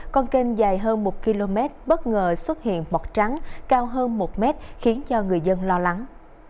con kênh dài hơn một km bất ngờ xuất hiện mọt trắng cao hơn một mét khiến cho người dân lo lắng